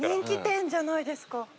人気店じゃないですか。